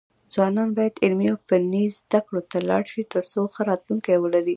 ځوانان بايد علمي او فني زده کړو ته لاړ شي، ترڅو ښه راتلونکی ولري.